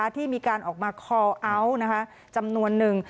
ที่มีการออกมาคอลเอาท์จำนวนนึง